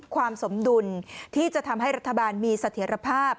สมดุลที่จะทำให้รัฐบาลมีเสถียรภาพ